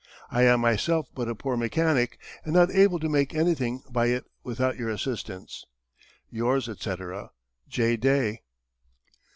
I am myself but a poor mechanic and not able to make anything by it without your assistance. "Your's, etc. "J. DAY."